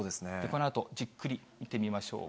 このあとじっくり見てみましょう。